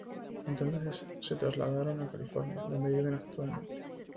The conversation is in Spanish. Entonces se trasladaron a California, donde viven actualmente.